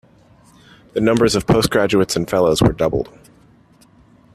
The numbers of postgraduates and of fellows were doubled.